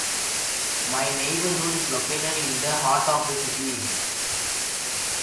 My neighborhood is located in the heart of the city.